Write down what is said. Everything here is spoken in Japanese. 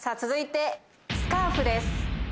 続いてスカーフです。